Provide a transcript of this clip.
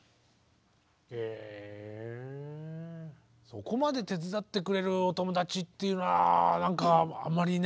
そこまで手伝ってくれるお友達というのは何かあんまりいない気がしますね。